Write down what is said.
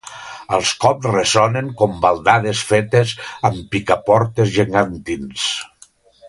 Els cops ressonen com baldades fetes amb picaportes gegantins.